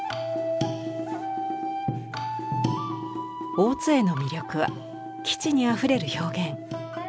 大津絵の魅力は機知にあふれる表現。